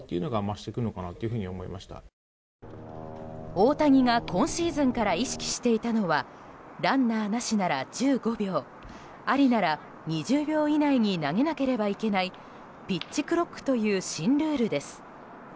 大谷が今シーズンから意識していたのはランナーなしなら１５秒ありなら２０秒以内に投げなければいけないピッチクロックという新ルールです。